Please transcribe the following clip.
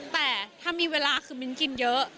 แต่ถ้ามีเวลาคือมิ้นกินเยอะ